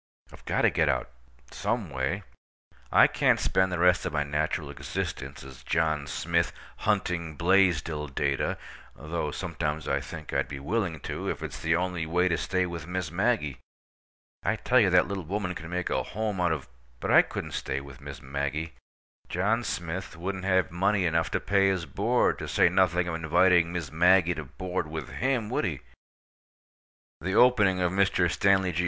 I've got to get out—some way. I can't spend the rest of my natural existence as John Smith, hunting Blaisdell data—though sometimes I think I'd be willing to, if it's the only way to stay with Miss Maggie. I tell you, that little woman can make a home out of— But I couldn't stay with Miss Maggie. John Smith wouldn't have money enough to pay his board, to say nothing of inviting Miss Maggie to board with him, would he? The opening of Mr. Stanley G.